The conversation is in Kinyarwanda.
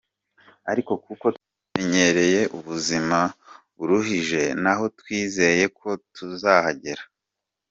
Ariko kuko twamenyereye ubuzima buruhije naho twizeye ko tuzahagera.